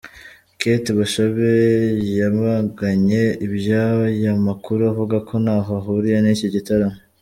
Kate Bashabe yamaganye iby'aya makuru avuga ko ntaho ahuriye n'iki gitaramo.